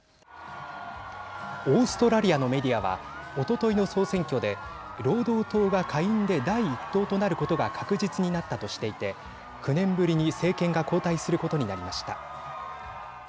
オーストラリアのメディアはおとといの総選挙で労働党が下院で第１党となることが確実になったとしていて９年ぶりに政権が交代することになりました。